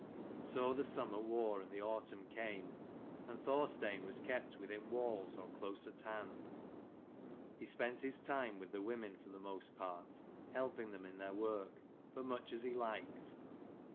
So the summer wore and the autumn came, and Thorstein was kept within walls or close at hand. He spent his time with the women for the most part, helping them in their work, but much as he liked.